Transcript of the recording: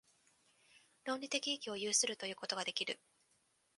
倫理的意義を有するということができる。